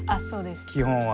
基本は。